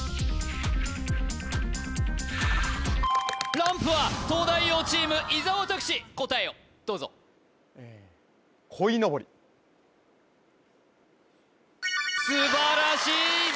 ランプは東大王チーム伊沢拓司答えをどうぞ素晴らしい伊沢